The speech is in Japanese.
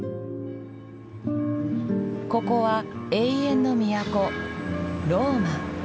ここは永遠の都ローマ。